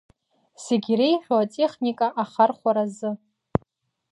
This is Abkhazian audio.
Зегь иреиӷьу атехника ахархәара азы…